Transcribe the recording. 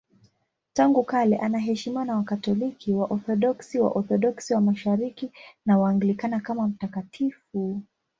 Tangu kale anaheshimiwa na Wakatoliki, Waorthodoksi, Waorthodoksi wa Mashariki na Waanglikana kama mtakatifu.